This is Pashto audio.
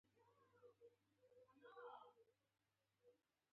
په هندي سبک کې د شعر لومړۍ مسره نوی مضمون لري